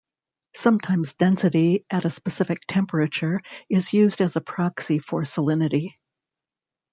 Sometimes density at a specific temperature is used as a proxy for salinity.